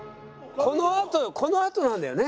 このあとこのあとなんだよね。